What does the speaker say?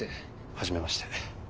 初めまして。